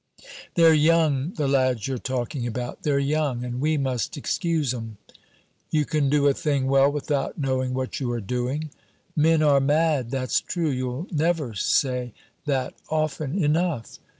"They're young, the lads you're talking about; they're young, and we must excuse 'em." "You can do a thing well without knowing what you are doing." "Men are mad, that's true. You'll never say that often enough."